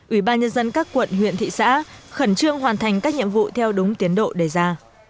ủy ban nhân dân các quận huyện thị xã khẩn trương hoàn thành các nhiệm vụ theo đúng tiến độ đề ra